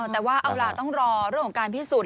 แต่ว่าเอาล่ะต้องรอเรื่องของการพิสูจน